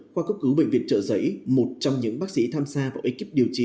khoa cấp cứu bệnh viện trợ giấy một trong những bác sĩ tham gia vào ekip điều trị